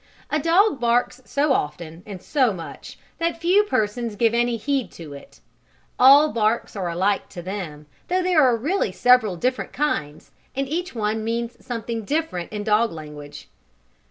A dog barks so often, and so much, that few persons give any heed to it. All barks are alike to them, though there are really several different kinds, and each one means something different in dog language.